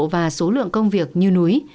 và số lượng công việc như núi